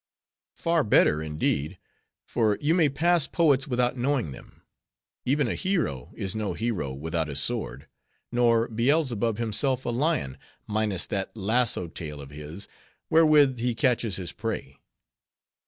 Far better, indeed; for you may pass poets without knowing them. Even a hero, is no hero without his sword; nor Beelzebub himself a lion, minus that lasso tail of his, wherewith he catches his prey.